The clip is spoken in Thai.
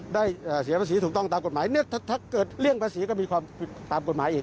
เนี่ยถ้าเกิดเลี่ยงภาษีก็มีความติดตามกฏหมายอีก